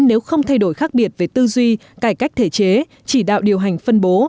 nếu không thay đổi khác biệt về tư duy cải cách thể chế chỉ đạo điều hành phân bố